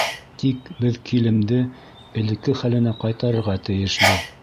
Тик беҙ килемде элекке хәленә ҡайтарырға тейешбеҙ.